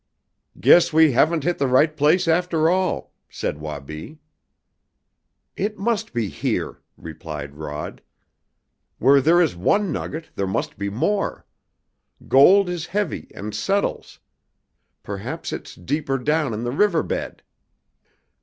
"Guess we haven't hit the right place, after all," said Wabi. "It must be here," replied Rod. "Where there is one nugget there must be more. Gold is heavy, and settles. Perhaps it's deeper down in the river bed."